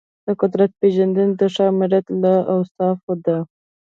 د قدرت پیژندنه د ښه آمریت له اوصافو ده.